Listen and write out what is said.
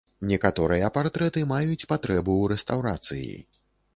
Некаторыя партрэты маюць патрэбу ў рэстаўрацыі.